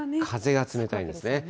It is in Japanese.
風が冷たいですね。